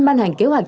ban hành kế hoạch